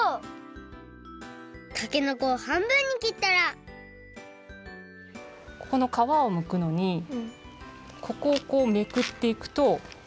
たけのこをはんぶんにきったらこの皮をむくのにここをこうめくっていくと。